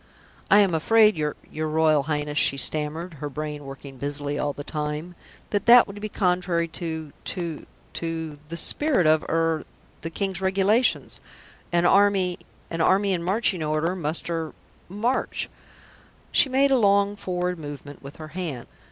"I am afraid, your your Royal Highness," she stammered, her brain working busily all the time, "that that would be contrary to to to the spirit of er the King's Regulations. An army an army in marching order must er march." She made a long forward movement with her hand.